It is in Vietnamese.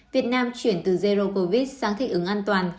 việt nam chuyển từ zero covid sang thích ứng an toàn